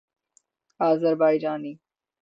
Azerbaijani